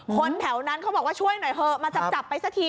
คนแถวนั้นเขาบอกว่าช่วยหน่อยเถอะมาจับไปสักที